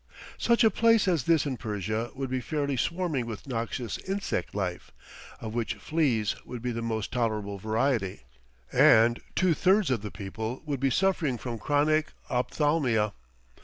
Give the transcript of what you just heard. Such a place as this in Persia would be fairly swarming with noxious insect life, of which fleas would be the most tolerable variety, and two thirds of the people would be suffering from chronic ophthalmia.